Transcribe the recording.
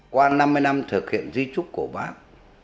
qua năm mươi năm thực hiện di trúc của bác